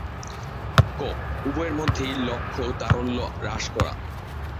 ক. উভয়ের লক্ষ্য তারল্য হ্রাস করা